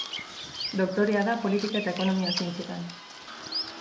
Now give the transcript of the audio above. Doktorea da Politika eta Ekonomia Zientzietan.